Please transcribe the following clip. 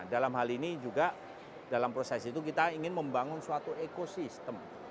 dalam hal ini juga dalam proses itu kita ingin membangun suatu ekosistem